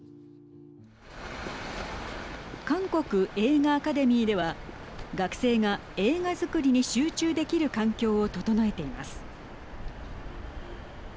韓国映画アカデミーでは学生が映画作りに集中できる環境を整えています。